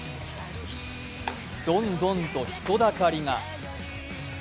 どんどんと人だかりが。